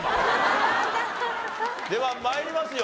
では参りますよ。